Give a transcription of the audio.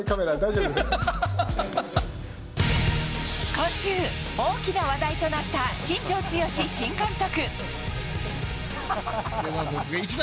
今週、大きな話題となった新庄剛志新監督。